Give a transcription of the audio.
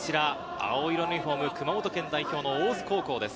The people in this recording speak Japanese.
青色のユニホーム、熊本県代表の大津高校です。